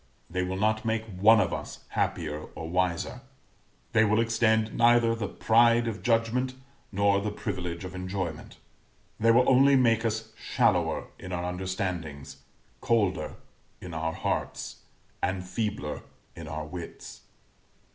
They will not make one of us happier or wiser they will extend neither the pride of judgment nor the privilege of enjoyment. They will only make us shallower in our understandings, colder in our hearts, and feebler in our wits.